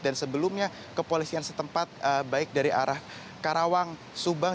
dan sebelumnya kepolisian setempat baik dari arah karawang subang